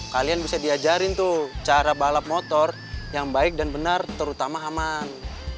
kalian bisa diajarin tuh cara balap motor yang baik dan benar terutama aman